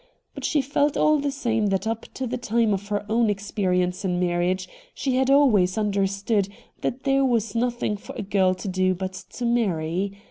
But she felt all the same that up to the time of her own experience in marriage she had always understood that there was FIDELIA LOCKE 145 nothing for a girl to do but to marry.